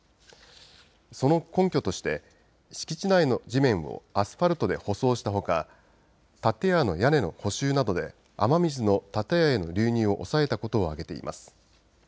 その根拠として敷地内の地面をアスファルトで舗装したほか建屋の屋根の補修などで雨水の建屋への流入を抑えたことを挙げています。